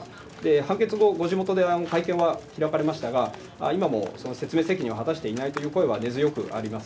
判決後、ご地元で会見は開かれましたが、今もその説明責任は果たしていないという声は根強くあります。